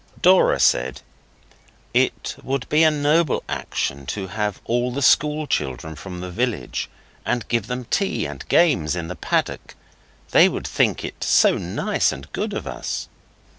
Dora said, 'It would be a noble action to have all the school children from the village and give them tea and games in the paddock. They would think it so nice and good of us.